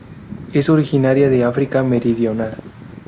Es originaria de África meridional.